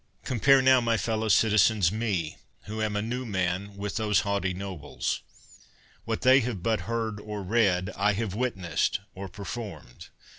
44 CAIUS MARIUS Compare now, my fellow citizens, me, who am a new man, with those haughty nobles. What they have but heard or read, I have witnessed or performed.